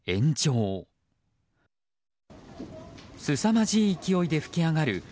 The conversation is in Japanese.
すさまじい勢いで噴き上がる